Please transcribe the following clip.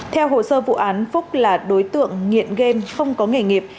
theo hồ sơ vụ án phúc là đối tượng nghiện game không có nghề nghiệp